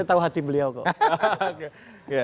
tahu hati beliau kok